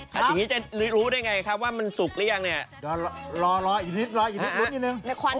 ครับกินก็รู้ได้ไงครับว่ามันสุกแล้วยังเนี่ยครับ